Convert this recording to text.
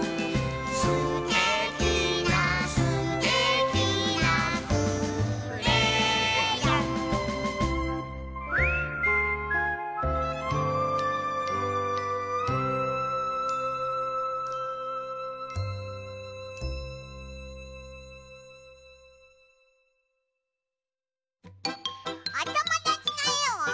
「すてきなすてきなくれよん」おともだちのえを。